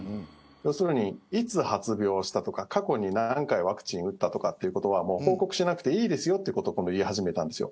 要するに、いつ発病したとか過去に何回ワクチン打ったということはもう報告しなくていいですよということを言い始めたんです。